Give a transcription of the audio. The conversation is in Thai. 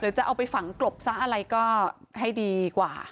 จะเอาไปฝังกลบซะอะไรก็ให้ดีกว่า